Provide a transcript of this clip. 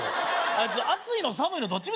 あいつ暑いの寒いのどっち？